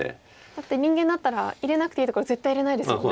だって人間だったら入れなくていいとこ絶対入れないですもんね。